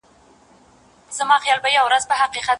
آیا نظم تر بې نظمۍ ښکلی دی؟